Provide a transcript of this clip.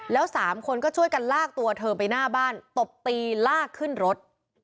แล้วสามคนก็ช่วยกันลากตัวเธอไปหน้าบ้านตบตีลากขึ้นรถ